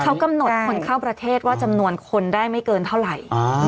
เขากำหนดคนเข้าประเทศว่าจำนวนคนได้ไม่เกินเท่าไหร่